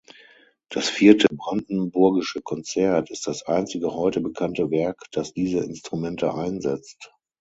Das Vierte Brandenburgische Konzert ist das einzige heute bekannte Werk, das diese Instrumente einsetzt.